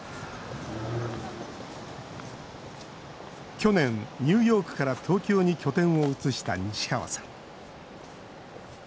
去年、ニューヨークから東京に拠点を移した西川さん。